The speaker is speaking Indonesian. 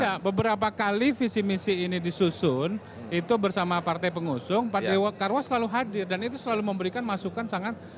ya beberapa kali visi misi ini disusun itu bersama partai pengusung partai karwo selalu hadir dan itu selalu memberikan masukan sangat